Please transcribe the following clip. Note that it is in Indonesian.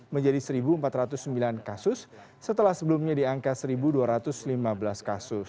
menjadi satu empat ratus sembilan kasus setelah sebelumnya di angka satu dua ratus lima belas kasus